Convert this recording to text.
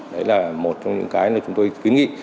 đấy là một trong những cái mà chúng tôi kiến nghị